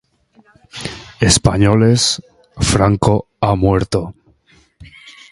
Ez zituen bereizten kolore gorriak eta berdeak.